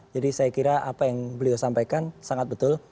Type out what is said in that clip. jadi saya kira apa yang beliau sampaikan sangat betul